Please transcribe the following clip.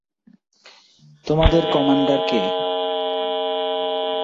তোমাদের কমান্ডার কে?